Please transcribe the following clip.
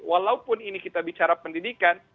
walaupun ini kita bicara pendidikan